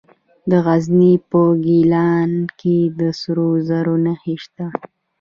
د غزني په ګیلان کې د سرو زرو نښې شته.